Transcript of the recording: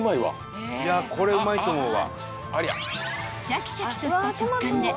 ［シャキシャキとした食感で］